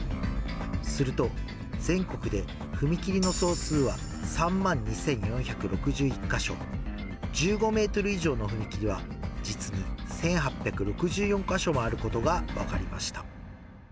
すると全国で踏切の総数は３万２４６１か所、１５メートル以上の踏切は実に１８６４か所もあることが分かりました。